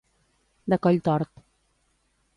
De coll tort.